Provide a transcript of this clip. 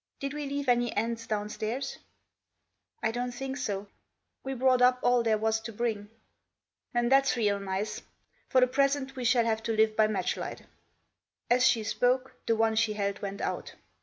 Did we leave any end* downstairs f " "I don't think s& We brought up all there was to bring." " Theft that's real nice. For the present we shall have to live by matchlight." As she spoke the one she held Went out.